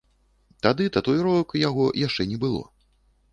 Тады татуіровак у яго яшчэ не было.